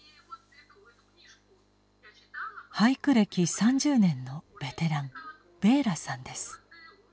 俳句歴３０年のベテランベーラさんです。